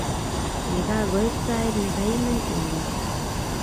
Ye kagoit sait nekaimen emet